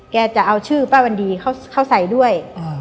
จะเอาชื่อป้าวันดีเข้าใส่ด้วย